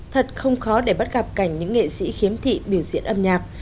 thật không khó để bắt gặp cảnh những nghệ sĩ khiếm thị biểu diễn âm nhạc